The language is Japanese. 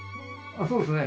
そうですね。